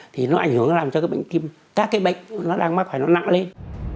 thì nó ảnh hưởng làm cho các cái bệnh các cái bệnh nó đang mắc phải nó nặng lên